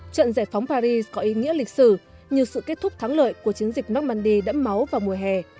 trận giải phóng paris có ý nghĩa lịch sử như sự kết thúc thắng lợi của chiến dịch normandy đẫm máu vào mùa hè